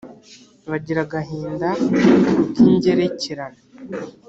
bagira agahinda k’ingerekerane,